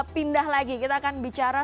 pindah lagi kita akan bicara